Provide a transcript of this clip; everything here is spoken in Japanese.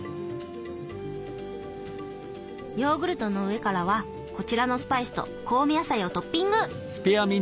ヨーグルトの上からはこちらのスパイスと香味野菜をトッピング！